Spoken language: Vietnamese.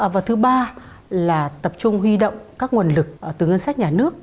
và thứ ba là tập trung huy động các nguồn lực từ ngân sách nhà nước